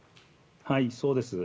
そうです。